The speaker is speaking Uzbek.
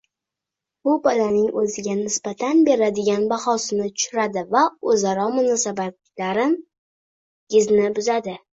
Bu bolaning o‘ziga nisbatan beradigan bahosini tushiradi va o‘zaro munosabatlarin-gizni buzadi.